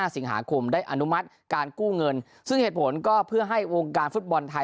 สิงหาคมได้อนุมัติการกู้เงินซึ่งเหตุผลก็เพื่อให้วงการฟุตบอลไทย